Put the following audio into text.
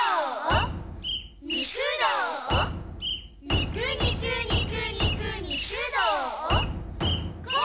肉肉肉肉肉、どーお？